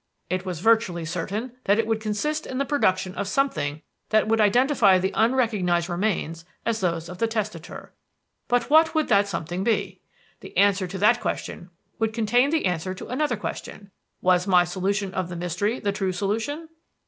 "It was virtually certain that it would consist in the production of something which would identify the unrecognized remains as those of the testator. "But what would that something be? "The answer to that question would contain the answer to another question: 'Was my solution of the mystery the true solution?'